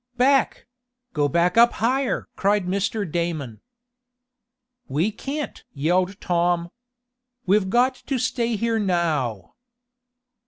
"Back! Go back up higher!" cried Mr. Damon, "We can't!" yelled Tom. "We've got to stay here now!"